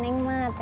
neng mat ya